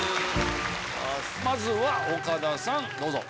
まずは岡田さんどうぞ。